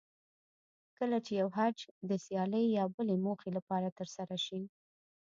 کله چې یو حج د سیالۍ یا بلې موخې لپاره ترسره شي.